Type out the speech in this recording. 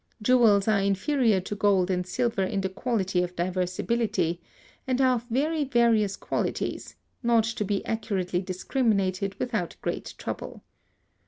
Jewels are inferior to gold and silver in the quality of divisibility; and are of very various qualities, not to be accurately discriminated without great trouble.